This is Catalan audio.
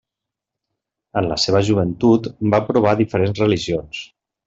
En la seva joventut va provar diferents religions: